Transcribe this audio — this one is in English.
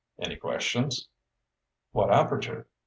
Any questions?" "What aperture?"